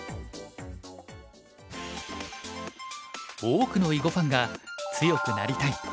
多くの囲碁ファンが「強くなりたい！」